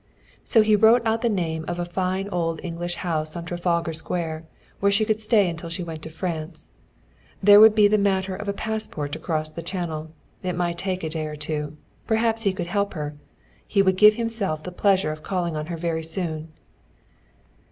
So he wrote out the name of a fine old English house on Trafalgar Square, where she could stay until she went to France. There would be the matter of a passport to cross the Channel. It might take a day or two. Perhaps he could help her. He would give himself the pleasure of calling on her very soon.